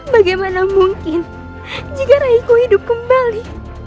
bagaimana mungkin jika raiko hidup kembali